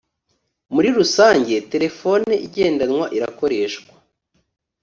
muri Rusange telefone igendanwa irakoreshwa